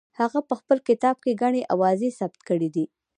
هغه په خپل کتاب کې ګڼې اوازې ثبت کړې دي.